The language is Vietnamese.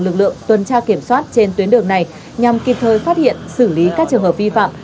lực lượng tuần tra kiểm soát trên tuyến đường này nhằm kịp thời phát hiện xử lý các trường hợp vi phạm